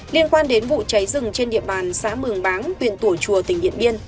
liên quan đến vụ cháy rừng trên địa bàn xã mường báng tuyển tủa chùa tp hcm